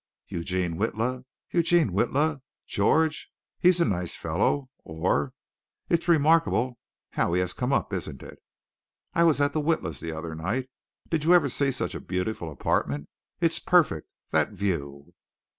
"Eugene Witla! Eugene Witla! George! he's a nice fellow," or "it's remarkable how he has come up, isn't it?" "I was at the Witlas' the other night. Did you ever see such a beautiful apartment? It's perfect! That view!"